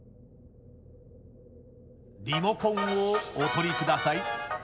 リモコンをお取りください。